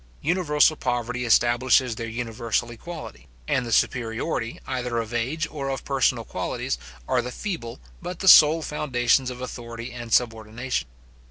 Universal poverty establishes their universal equality; and the superiority, either of age or of personal qualities, are the feeble, but the sole foundations of authority and subordination.